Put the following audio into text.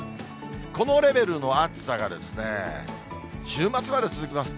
このレベルの暑さがですね、週末まで続きます。